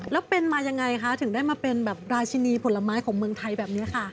แล้วเป็นมายังไงคะถึงได้มาเป็นแบบราชินีผลไม้ของเมืองไทยแบบนี้ค่ะ